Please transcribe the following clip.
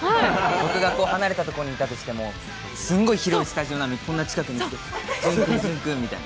僕が離れたところにいたとしてもすんごい広いスタジオなのにこんな近くに寄ってきて、淳君、淳君みたいな。